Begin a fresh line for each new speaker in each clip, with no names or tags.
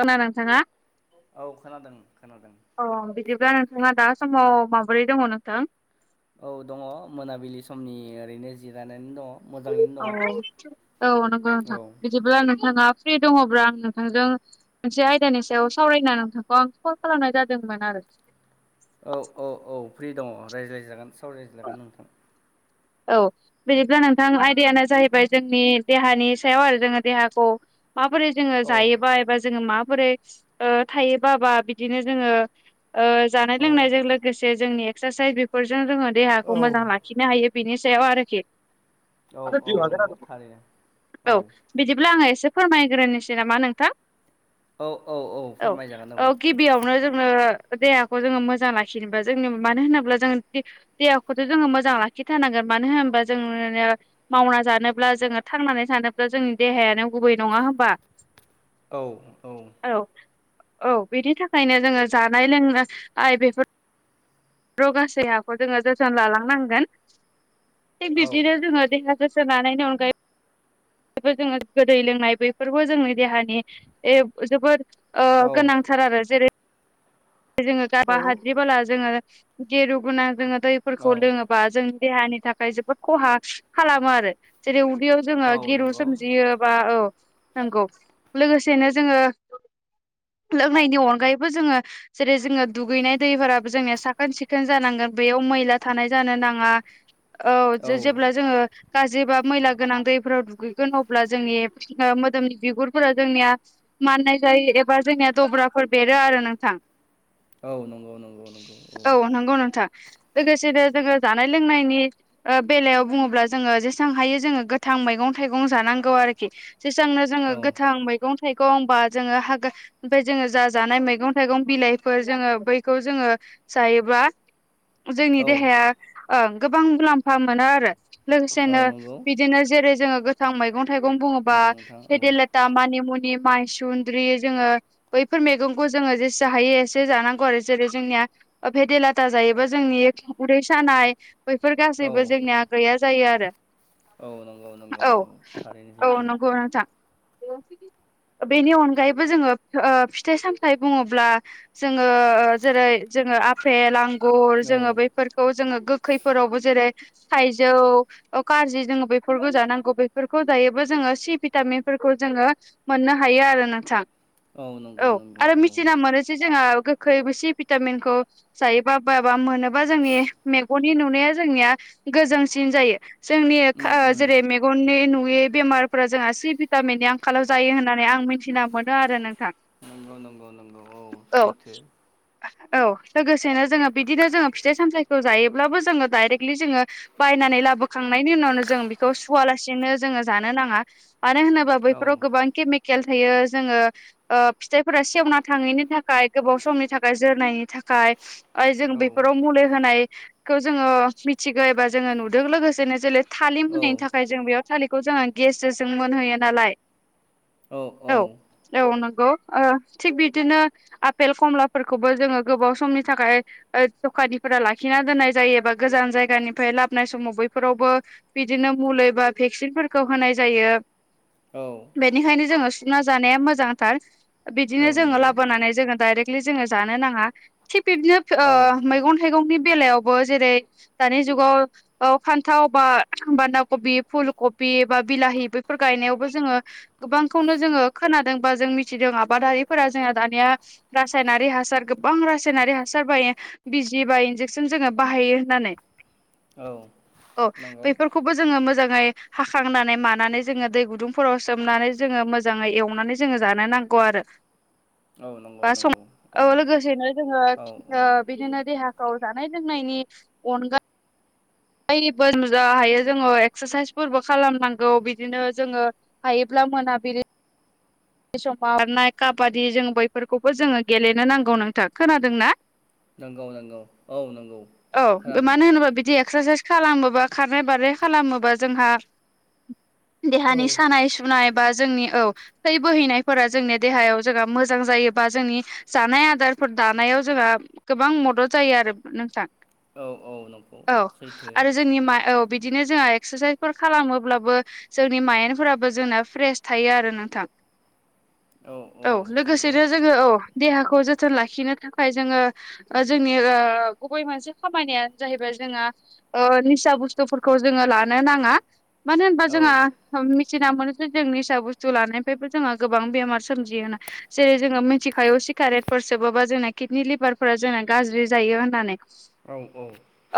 खोना नोंथाङा
औ खोनादों खोनादों
अ बिदिब्ला नोंथाङा दा। समाव माबोरै दङ' नोंथां।
औ दङ' मोनाबिलि समनि ओरैनो जिरायानानै दङ'। मोजाङैनो
औ औ नंगौ
दङ
नोंथां
औ
बिदिब्ला नोंथाङा। फ्रि दङ'ब्ला आं नोंथांजों मोनसे आयदानि सायाव सावरायना नोंथांखौ आं फन खालामनाय जादोंमोन आरो। [inaudible]
औ औ औ फ्रि दङ' रायज्लायजागोन सावरायजागोन नोंथां।
औ बिदिब्ला नोंथां आयदायानो जाहैबाय जोंनि देहानि सायाव आरो जोङो देहाखौ। माबोरै जोङो
औ
जायोबा एबा जोङो माबोरै ओ थायोबा बा बिदिनो जोङो। ओ
औ
जानाय-लोंनायजों लोगोसे जोंनि एक्सारसाइस बेफोरजों जोङो देहाखौ
औ
मोजां लाखिनो हायो। बिनि सायाव आरोखि
औ औ नंगौ
[unintelligible]
थारैनो
औ बिदिब्ला आङो एसे। फोरमायग्रोनोसै नामा नोंथां।
औ औ
औ
फोरमायजागोन
औ गिबियावनो जोंङानो देहाखौ जोङो मोजां लाखिनोबा जोंनि मानो होनोब्ला जों देहाखौथ' जोङो मोजां लाखि खिथारनांगोन मानो होनोबा जोङो मावना जानोब्ला जोङो थांनानै थानोब्ला जोंनि देहायानो। गुबै नङा होनोमबा।
औ औ।
औ बेनि थाखायनो जोङो जानाय लोंना आइ बेफोर रगासे हाखौ जोङो जोथोन लालांनांगोन। थिग
औ
बिदिनो जोङो देहा गोसो लानायनि अनगायै। बेफोर जोङो गोदै लोंनाय बैफोरबो जोंनि देहानि ए जोबोद
औ
गोनांथार आरो जेरै जोङो गाबा
औ
हाद्रि बाला जोङो गेरु गोनां जोङो
औ
दैफोरखौ लोङोबा जों देहानि थाखाय जोबोद खहा खालामो आरो जेरै दियाव जोङो
औ
गिरु
नंगौ
सोमजियो बा औ। नंगौ लोगोसेनो जोङो लोंनायनि अनगायैबो जोङो। जेरै जोङो दुगैनाय दैफोराबो जोंनिया साखोन सिखोन जानांगोन बेयाव मैला थानाय जानो नाङा। औ जेब्ला जोङो गाज्रिबा मैला गोनां दैफोराव दुगैगोन अब्ला जोंनि मोदोमनि बिगुरफोरा जोंनिया। माननाय जायो एबा जोंनिया दब्राफोर बेरो आरो नोंथां।
औ नंगौ नंगौ नंगौ औ।
लोगोसेनो जोङो जानाय लोंनायनि बेलायाव बुङोब्ला जोङो जेसेबां हायो जोङो गोथां मैगं थाइगं जानांगौ आरोखि। जेसांनो जोङो
औ
गोथां मैगं थाइगं बा जोङो हागा ओमफ्राय जोङो जा जानाय मैगं थाइगं बिलाइफोर जोङो बैखौ जोङो जायोब्ला जोंनि
औ
देहाया। ओ गोबां मुलाम्फा मोनो आरो
औ
लोगोसेनो
नंगौ
बिदिनो जेरै जोङो गोथां मैगं थाइगं बुङोबा
नंगौ नोंथां औ
फेदिलथा मानि मु नि माइ सुन्द्रि जोङो बैफोर मैगंखौ जोङो जेसे जा हायो एसे जानांगौ आरो जेरै जोंनिया भेदेलाथा जायोबा जोंनि उदै सानाय बैफोर
औ
गासैबो जोंनिया गैया जायो आरो
औ नंगौ नंगौ
औ
नंगौ थारैनो
औ
सैथो
नंगौ नोंथां बेनि अनगायैबो जोङो ओ फिथाइ सामथाइ बुङो ब्ला जोङो जेरै जोङो आफेल आं गुर
औ
जोङो बैफोरखौ जोङो गोखैफोरावबो जेरै थाइजौ कारजि जोङो बेफोरखौ जानांगौ बेफोरखौ जायोब्ला जोङो सि भिटामिन फोर खौ जोङो मोननो हायो आरो नोंथां
औ नंगौ नंगौ औ
से जोङो गोखौ सि भितामिनखौ जायोना बा मोनोबा जोंनि मेगननि नुनाया जोंनिया गोजोंसिन जायो जोंनि
उम
ओ
उम
जेरै मेगन नि नु यै बेमारफोरा जोंहा सि भिटामिननि आंखालाव जायो होन्नानै आं मिथिना मोनो आरो नों
नंगौ नंगौ नंगौ औ सैथो
औ लोगोसेनो जोङो बिदिनो जोङो फिथाइ सामथथायखौ जायोब्लाबो जोङो डाइरेक्टलि जोङो बाय नानै लाबोखांनायनि उनावनो जों बेखौ सुवा लासिनो जोङो जानो नाङा मानो होनोबा
औ
बैफोराव गोबां केमिकेल थायो जोङो ओ फिथाइफोरा सेवना थाङैनि थाखाय गोबाव समनि थाखाय जोरनायनि थाखाय जों
औ
बेफोराव मुलि होनायखौ जोङो मिथिगौ एबा जोङो नुदों लोगोसेनो जोलै थालिर
औ
मोनैनि थाखाय जों बेयाव थालिरखौ जोङो गेस जों मोनहैयो नालाय औ औ नंगौ थिग बिदिनो आफेल खमलाफोरखौबो जोङो गोबाव समनि थाखाय ओ दखानिफोरा लाखि ना दोननय जायो बा लाबनाय समाव बैफोरावबो बिदिनो मुलि बा भेकसिनफोर खौ होनाय जायो
औ
बेनिखायनो जोङो सुना जानाया मोजांथार बिदिनो
औ
जोङो
नंगौ
लाबोनानै जोङो डायरेक्टलि जोङो जानो नाङा थि बिदिनो ओ
औ
मैगं थाइगंनि बेलायावबो जेरै दानि जुगाव फान्थाव बा बान्दा कबि फुल कबि बिलाहि बेफोर गायनायावबो जोङो गोबांखौनो जोङो खोनादों एबा मिथिदों आबादारिफोरा जोंना दानिया रासायनारि हासार गोबां रासायनारि हासार बायो बिजि बायो इनजेकसन जोङो बाहायो होननानै
औ
अ
नंगौ
बेफोरखौबो जोङो मोजांङै मोजाङै हाखांनानै मानानै जोङो दै गुदुंफोराव सोमनानै जोङो मोजाङै एवनानै जोङो जानो नां गौ आरो
औ नंगौ
बा सम
नंगौ
औ लोगोसेनो जोङो
औ औ
बिदिनो देहाखौ जानाय लोंनायनि अनगा बो मोजां हायो जोङो एक्सारसाइसफोरबो खालामनांगौ बिदिनो जोङो हायोब्ला मोनाबिलि बै समाव बारनाय काबादि जों बैफोरखौबो जोङो गेलेनो नांगौ नोंथां खोनादोंना
नंगौ नंगौ औ नंगौ
औ
खोनादों
मानो होनोबा बिदि एक्सारसाइस खालामोबा खारनाय बारनाय खालामोबा जोंहा
औ
देहानि सानाय सुनाय जोंनि औ थै बोहैनायफोरा जोंनि देहायाव जोंहा मोजां जायोबा जोंनि जानाय आदार फोर दानायाव जोंहा गोबां मदद जायो आरो नोंथां
औ औ
औ
सैथो
आरो जोंनि मा औ बिदिनो जोंहा एक्सारसाइसफोर खालामोब्लाबो जोंनि माइन्डफोराबो जोंना फ्रेस थायो आरो नोंथां औ लोगोसेनो जोङो औ देहा जोथोन लाखिनो थाखाय जोङो जोंनि गुबै मोनसे खामानियानो जाहैबाय जोंङो निसा बुस्थुफोरखौ जोङो लानो नाङा मानो होनबा
औ
जोंहा मिथिना मोनो जे जों निसा बुस्थु लानायनिफ्रायबो जोंहा गोबां बेमार सोमजियोना जेरै जोङो मिथिखायो सिगारेटफोर सोबोबा जोंना किडनि लिभारफोरा जोंना गाज्रि जायो होननानै
औ औ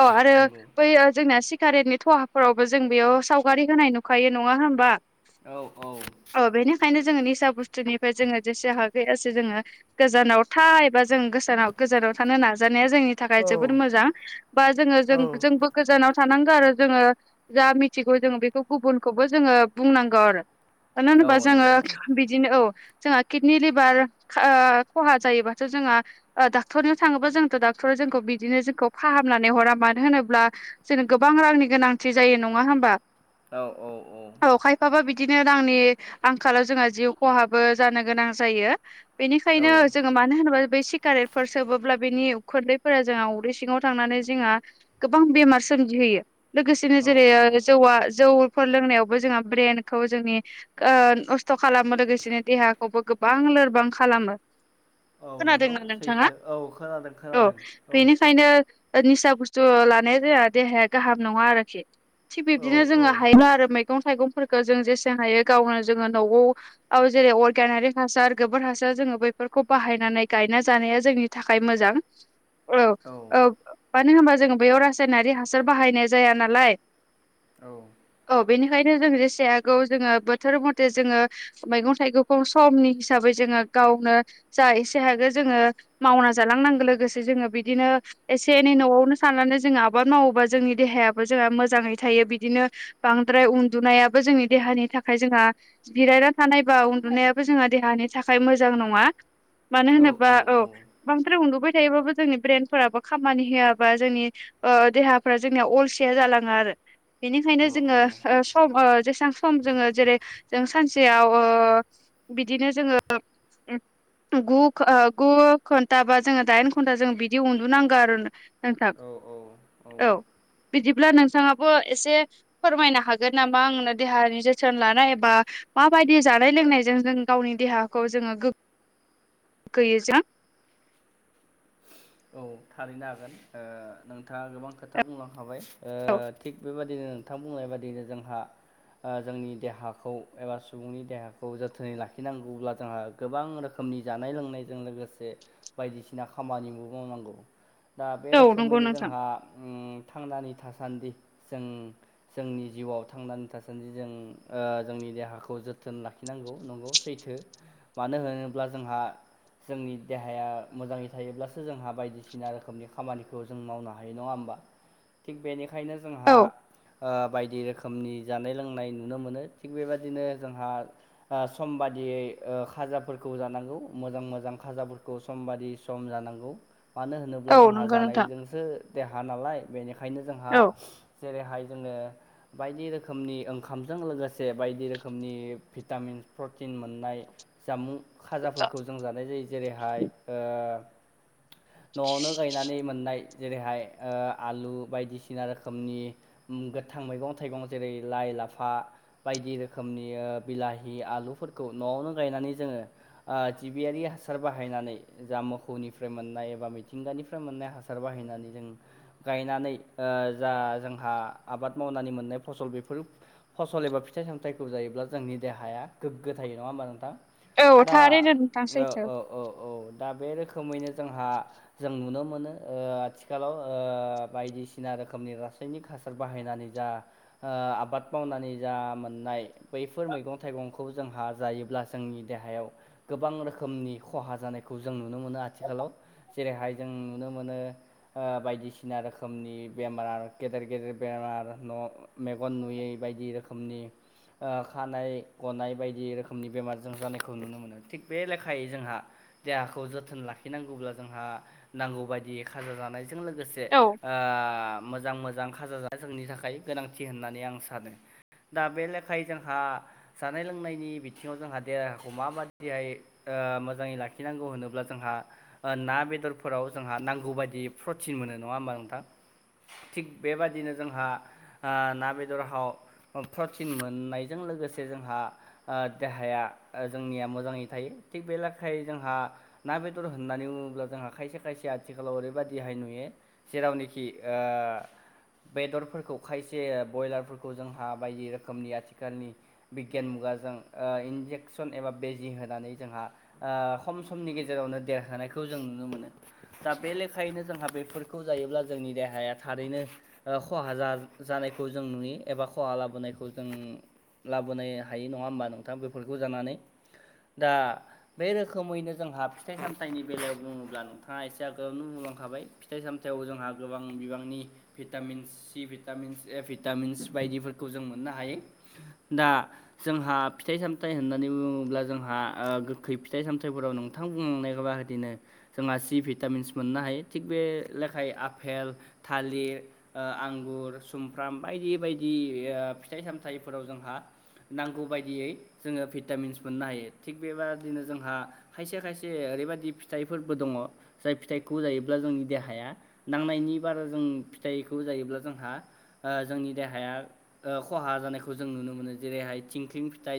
औ आरो
नंगौ
बै जोंना सिगारेटनि थहाफोरावबो जों बेयाव सावगारि होनाय नुखायो नङा होमबा
औ औ
औ बेनिखायनो जोंङो निसा बुस्थुनि जोङो जेसे हागौ एसे गोजानाव था एबा जों गोसानाव गोजानाव थानो नाजानाया जोंनि थाखाय जोबोद मोजां बा जोङो जों
औ
जोंबो गोजानाव थानांगौ आरो जोङो जा मिथिगौ जोङो बेखौ गुबुनखौबो जोङो बुंनांगौ आरो मानो होनोबा जोङो
नंगौ
बिदिनो औ जोंहा किडनि लिभार खहा जायोबाथ' जोंहा डाक्टरनो थाङोबा जोंथ' डक्ट डक्टर जोंखौ बिदिनो जोंखौ फाहाम नानै हरा मानो होनोब्ला जोंनो गोबां रांनि गोनांथि जायो नङा हबा
औ औ औ
बिदिनो रांनि आंखालाव जोंहा जिउ खहाबो जानो गोनां जायो।
औ
बेनिखायनो जोङो मानो होनोबा बै सिगारेटफोर सोबोब्ला बेनि उखुन्दैफोरा जोंनाव उदै सिङाव थांनानै जोंहा गोबां बेमार सोमजिहयो लोगोसेनो
औ
जेरै
औ
जौआ जौ फोर लोंनायावबो जोंहा ब्रइेन खौ जोंनि नस्थ' खालामो लोगोसेनो देहाखौबो गोबां लोरबां खालामो।
औ नंगौ
खोनादोंना नोंथाङा?
सैथो औ खोनादों
औ
खोनादों औ
बेनिखायनो निसा बुस्थु लानाया जों देहाया गाहाम नङा आरोखि थिग
औ
बिब्दिनो
औ
जोङो हायोबा आरो मैगं थाइगं फोरफोरखौ जों जेसे हायो गावनो जोङो न'आव जेरै अर्गनिारिक हासार गोबोर हासार जोङो ब बेफोरखौ बाहायनानै गायना जानाया जोंनि थाखाय मोजां औ औ मानो होनबा जोङो बेयाव रासायनारि हासार बाहायनाय जाया नालाय
औ
ओंखायनो जों जेसे हागौ जोङो बोथोर मथे जोङो मैगं थाइगंखौ समनि हिसाबै जोङो गावनो जा एसे हागो जोंङो मावना जालांनांगौ लोगोसे जोंङो बिदिनो एसे एनै न'आवनो साननानै जोंङो आबाद मावोबा जोंनि देहायाबो जोंहा मोजाङै थायो बिदिनो बांद्राय बद्राय उन्दुनायाबो जोंनि देहानि थाखाय जोंहा जिरायना थानायबा उन्दुनायाबो जोंहा देहानि थाखाय मोजां नंङा मानो
औ
होनोबा औ बांद्राय उन्दुबाय थायोबाबो जोंनि ब्रेनफोराबो खामानि होआबा जोंनि देहाफोरा जोंनिया अलसिया जालांङो आरो बेनिखनो ओ समन
औ
जोंङो जेसबां सम जोंङो जेरै जों सानसेयाव बिदिनो जोंङो ग गु घन्टा बा जोंङो दाइन घन्टा जों बिदि उन्दुुनांगौ गार नोंथां औ बिदिब्ला नोंथांङाबो एसे फोरमायनो हागोन नामा आंनो देहानि जोथोन लानाय एबा माबायदि जानाय लोंनायजों जों गावनि देहाखौ जोंङो गो गैजो
औ थारैनो हागोन नोंथांङा गोबां खोथा बुंलांखाबाय
औ
थिग बेबायदिनो नोंथां बुंनाय बादियैनो जोंहा जोंनि देहाखौ एबा सुबुंनि देहाखौ जोथोनै लाखिनांगौब्ला जोंहा गोबां रोखोम नि जानाय लोंनायजों लोगोसे बायदिसिना खामानिबो मावनांगौ दा बे
औ नंगौ
रोखोमैनो
नोंथां
जोंहा थांनानै थासान्दि जों जोंनि जिउआव थांनानै थासान्दि जों जोंनि देहाखौ जोथोन लाखिनांगौ नंगौ सैथो मानो होनोब्ला जोंहा जोंनि देहाया मोजांङै थायोब्लासो जोंहा बायदिसिना रोखोमनि खामानिखौ जों मावनो हायो नंङा होमबा थिग बेनिखाय बेखायनो
औ
जोंहा बायदि रोखोमनि जानाय लोंनाय नुनो मोनो थिग बेबदिनो जोंहा सम बादि यै खाजाफोरखौ जानांगौ मोजां मोजां खाजाफोरखौ सम बादि सम जानांगौ मानो होनोब्ला
औ
जोंहा
नंगौ नोंथां
जानायजोंसो देहा नालाय बेनि ओंखायनो जोंहा
औ
जेरैहाय जोंङो बायदि रोखोमनि ओंखामजों लोगोसे बायदि रोखोमनि भिटामिन प्रटिन मोननाय जामुं खाजाफोरखौ जों जानाय जायो जेरैहाय न'आवनो गायनानै मोननाय जेरैहाय आलु बायदिसिना रोखोमनि गोथां मैगं थाइगं जेरै लाइ लाफा बायदि रोखोमनि बिलाहि आलुफोरखौ न'आवनो गायनानै जोंङो जिबियारि हासार बाहायनानै जामुं थौनिफ्राय मोननाय एबा मिथिंगानिफ्राय मोननाय हासार बाहायनानै जों गायनानै जा जोंहा आबाद मावनानै मोननाय फसल बेफोर फसल एबा फिथाइ सामथाइखौ जायोब्ला जोंनि देहाया गोगो थायो नंङा हबा नोंथां?
औ
दा
थारैनो नोंथां
ओ
सैथो
ओ ओ औ दा बे रोखोम रोखोमैनो जोंहा जों नुनो मोनो आथिखालाव ओ बायदिसिना रोखोमनि हासायनि हासार बाहायनानै जा आबाद मावनानै जा मोननाय बैफोर मैगं थाइगंखौ जोंहा जायोब्ला जोंनि देहायाव गोबां रोखोमनि खहा जानायखौ जों नुनो मोनो आरो। आथिखालाव जेरैहाय जों नुनो मोनो बायदिसिना रोखोमनि बेमार गेदेर गेदेर बेमार न' मेगन नुयै बायदि रोखोमनि। खानाय गनाय बायदि रोखोमनि बेमार जों जानायखौ नुनो मोनो। थिग बे लेखायै जोंहा देहाखौ जोथोन लाखि लाखिनांगौब्ला जोंहा नांगौ बायदि खाजा जानायजों लोगोसे
औ
ओ मोजां मोजां खाजा जानाय जोंनि थाखाय गोनांथि होननानै आं सानो। दा बे लेखायै जोंहा जानाय लोंनायनि बिथिङाव जोंहा देहाखौ माबादिहाय मोजांङै लाखिनांगौ होनोब्ला जोंहा ना बेदरफोराव जोंहा नांगौ बायदि प्रटिन मोनो नंङा होमबा नोंथां? थिग बेबादिनो जोंहा ना बेदराव प्रटिन मोननायजों लोगोसे जोंहा देहाया जोंनिया मोजाङै थायो थिग बे लेखायै जोंहा ना बे दर होननानै बुङोब्ला जोंहा खायसे खायसे आथिखालाव ओरैबाददिहाय नुयो जेरावनोखि ओ बेदरफोरखौ खायसे ब्रयलारफोरखौ जोंहा बायदि रोखोमनि आथिखालनि बिगियान मुगा जों इनजेकसन एबा बेेजि होनानै जोंहा खम समनि गेजेरावनो देरहायखौ जों नुनो मोनो दा बे लेखायैनो जोंहा बेफोरखौ जायोब्ला जोंनि देहाया थारैनो खहा जानायखौ जों नुयो एबा खहा लाबोनायखौ जों लाबोनो हायो नङा होमबा नोंथाङा बेफोरखौ जानानै दा बे रोखोमैनो जोंहा [unintelligible] फिथाइ सामथाइनि बेलायाव बुङोब्ला नोंथाङा एसे आगोलावनो मावलांखाबाय फिथाइ सामथायाव जोंहा गोबां बिबांनि vitamins C vitamins A vitamins बायदिफोरखौ जों मोननो हायो। दा जोंहा फिथाइ सामथाइ होननानै बुङोब्ला जोंहा गोखै फिथाइ सामथायफोराव नोंथां नो जोंहा सि भिटामिन्स मोननो हायो थि बे लेखाय आफेल था थालिर आंगुर सुमफ्राम बायदि बायदि फिथाइ सामथफोराव जोंहा नांगौ बायदियै जोङो भिटामिन्स मोननो हायो। थिग बेबादिनो जोंहा खायसे खायसे से ओरैबायाददि फिथाइफोरबो दङ जाय फिथाइखौ जायोब्ला जोंनि देहाया नांनायनि बारा जों जों फिथाइखौ जायोब्ला जोंहा जोंनि देहाया खहा जानायखौ जों नुनो मोनो। जेरैहाय थिंख्लि फिथाइ